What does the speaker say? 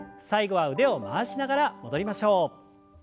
最後は腕を回しながら戻りましょう。